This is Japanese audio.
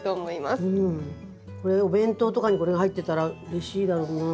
これお弁当とかにこれが入ってたらうれしいだろうな。